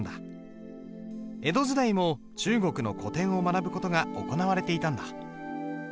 江戸時代も中国の古典を学ぶ事が行われていたんだ。